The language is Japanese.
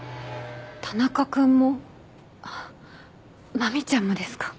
マミちゃんもですか？